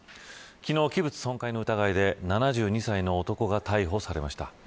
昨日、器物損壊の疑いで７２歳の男が逮捕されました。